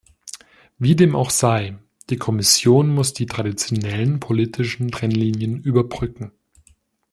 Wie dem auch sei, die Kommission muss die traditionellen politischen Trennlinien überbrücken.